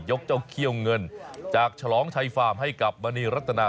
เจ้าเขี้ยวเงินจากฉลองชัยฟาร์มให้กับมณีรัตนา